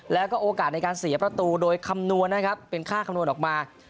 แล้วก็โอกาสในการเสียประตูโดยคำนวณนะครับเป็นค่าคำนวณออกมา